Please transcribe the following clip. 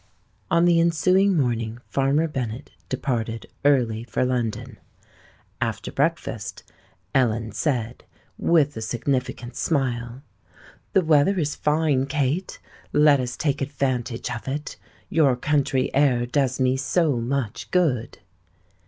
On the ensuing morning Farmer Bennet departed early for London. After breakfast, Ellen said, with a significant smile: "The weather is fine, Kate: let us take advantage of it. Your country air does me so much good."